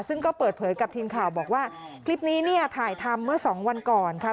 ซึ่งก็เปิดเผยกับทีมข่าวบอกว่าคลิปนี้เนี่ยถ่ายทำเมื่อสองวันก่อนค่ะ